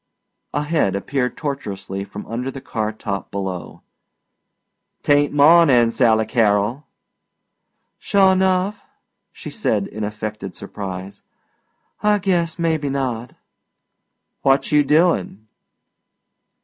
A head appeared tortuously from under the car top below. "Tain't mawnin', Sally Carrol." "Sure enough!" she said in affected surprise. "I guess maybe not." "What you doin'?"